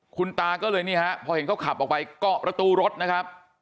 คุณตาก็เลยนี่ฮะพอเห็นเขาขับออกไปเกาะประตูรถนะครับ